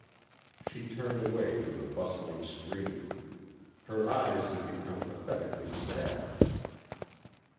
She turned away to the bustling stream. Her eyes had become pathetically sad.